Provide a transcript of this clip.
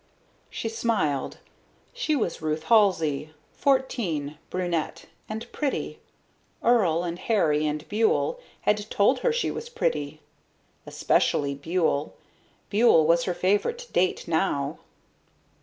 She smiled. She was Ruth Halsey, fourteen, brunette, and pretty. Earl, and Harry, and Buhl had told her she was pretty. Especially Buhl. Buhl was her favorite date now.